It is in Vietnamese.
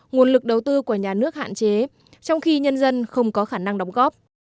nguồn lực đầu tư của nhà nước hạn chế trong khi nhân dân không có khả năng đóng góp